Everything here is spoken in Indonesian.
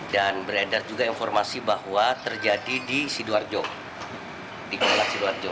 dan beredar juga informasi bahwa terjadi di sidoarjo